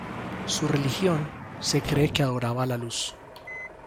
Su religión se cree que adoraba la luz.